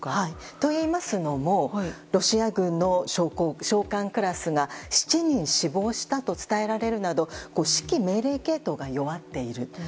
といいますのもロシア軍の将官クラスが７人死亡したと伝えられるなど指揮命令系統が弱っている。